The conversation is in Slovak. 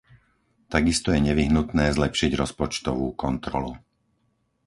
Takisto je nevyhnutné zlepšiť rozpočtovú kontrolu.